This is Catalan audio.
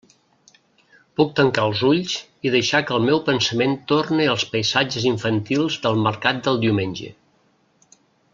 Puc tancar els ulls i deixar que el meu pensament torne als paisatges infantils del mercat del diumenge.